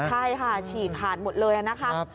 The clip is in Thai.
ใช่ค่ะฉีกขาดหมดเลยนะคะ